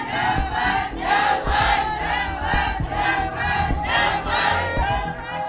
เท่าไหร่